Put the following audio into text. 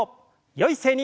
よい姿勢に。